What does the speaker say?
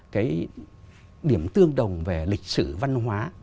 cái điểm tương đồng về lịch sử văn hóa